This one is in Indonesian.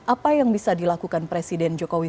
apa yang bisa dilakukan presiden jokowi